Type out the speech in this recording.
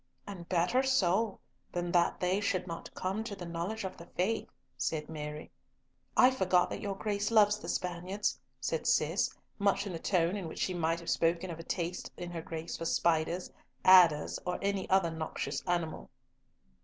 "And better so than that they should not come to the knowledge of the faith," said Mary. "I forgot that your Grace loves the Spaniards," said Cis, much in the tone in which she might have spoken of a taste in her Grace for spiders, adders, or any other noxious animal.